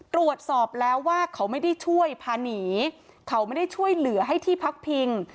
ตรวจสอบแล้วว่าเขาไม่ได้ช่วยพาหนีเขาไม่ได้ช่วยเหลือให้ที่พักพิง